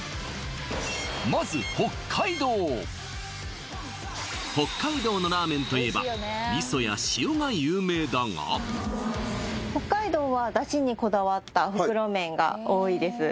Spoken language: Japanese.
まず北海道のラーメンといえば味噌や塩が有名だが北海道は出汁にこだわった袋麺が多いです